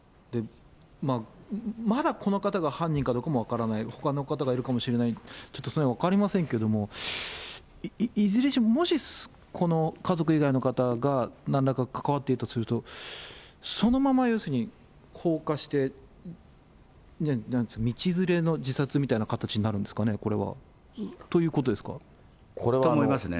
まだこの方が犯人かどうかも分からない、ほかの方がいるかもしれない、そのへんはちょっと分かりませんけども、いずれにしてももしこの家族以外の方がなんらか関わっていたとすると、そのまま要するに放火して、道連れの自殺みたいな形になるんですかね、これは、と思いますね。